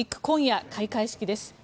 今夜、開会式です。